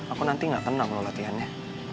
aku nanti gak tenang loh latihannya